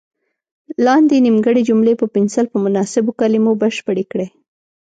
لاندې نیمګړې جملې په پنسل په مناسبو کلمو بشپړې کړئ.